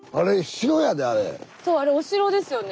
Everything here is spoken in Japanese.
そうあれお城ですよね。